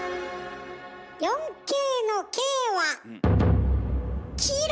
４Ｋの「Ｋ」はキロ！